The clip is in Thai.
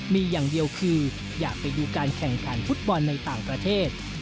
มีอย่างเดียวคืออยากไปดูการแข่งขันฟุตบอลในต่างประเทศ